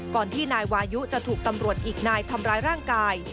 ที่นายวายุจะถูกตำรวจอีกนายทำร้ายร่างกาย